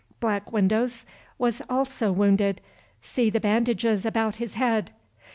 Black Windows also was wounded—see the bandages about his head.